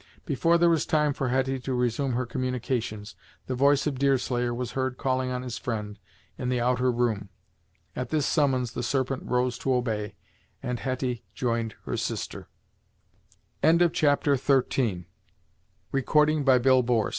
Before there was time for Hetty to resume her communications, the voice of Deerslayer was heard calling on his friend, in the outer room. At this summons the Serpent arose to obey, and Hetty joined her sister. Chapter XIV. "'A stranger animal,' cries one, 'Sure never liv'd bene